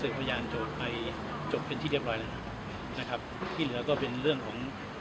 หรือสี่สันโจทย์ไปถามอ้ายการเลยนะครับที่เหลือก็เป็นเรื่องของทาง